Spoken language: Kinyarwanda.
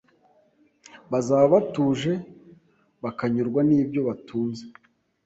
bazaba batuje bakanyurwa n’ibyo batunze